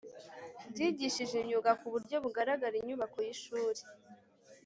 byigishije imyuga ku buryo bugaragara Inyubako y ishuri